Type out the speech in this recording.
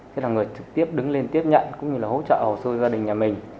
thế là người trực tiếp đứng lên tiếp nhận cũng như là hỗ trợ hồ sơ gia đình nhà mình